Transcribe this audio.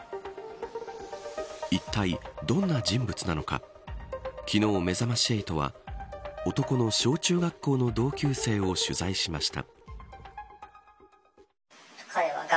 いったいどんな人物なのか昨日めざまし８は男の小・中学校の同級生を取材しました。